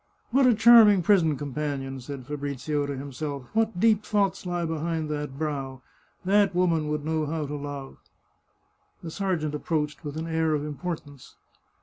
" What a charming prison companion !" said Fabrizio to himself. " What deep thoughts lie behind that brow 1 That woman would know how to love !" The sergeant approached with an air of importance.